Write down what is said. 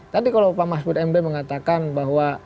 tadi kalau pak masbud mb mengatakan bahwa